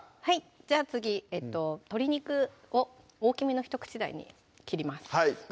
じゃあ次鶏肉を大きめの１口大に切ります